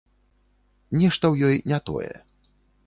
Нешта ў ёй не тое.